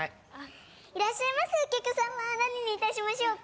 いらっしゃいませ、お客様、何にいたしましょうか？